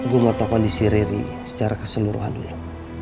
gue mau tahu kondisi riri secara keseluruhan dulu